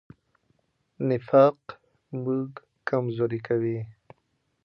نفاق موږ کمزوري کوي.